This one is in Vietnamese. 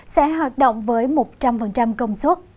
sẽ hoạt động với một trăm linh công suất